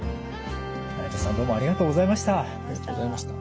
内藤さんどうもありがとうございました。